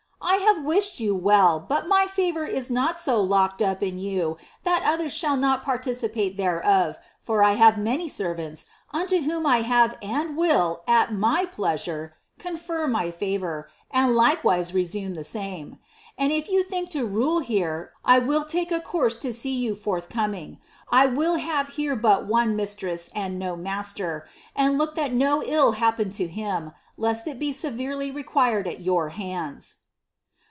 I have wished you well, but my favour is not BO locked up in you that others shall not participate thereof, for I have many servants, unto whom I have and will, at my pleasure, con fer my fovour, and likewise reassume the sante ; and if you think la rale here, I will take a coni^e lo see you forthcoming. I will hare iiere but one mistress and no master, and look that no ill happen 10 him, lest it be severely required at your hands."